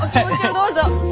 どうぞ！